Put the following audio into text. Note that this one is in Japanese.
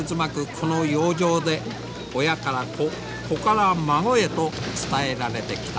この洋上で親から子子から孫へと伝えられてきた。